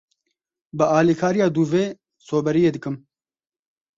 Bi alikariya dûvê soberiyê dikim.